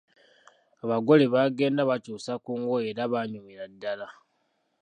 Abagole baagenda bakyuse ku ngoye era baanyumira ddala.